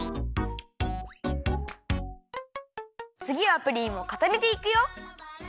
つぎはプリンをかためていくよ。